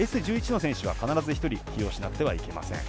Ｓ１１の選手は必ず１人起用しなくてはいけません。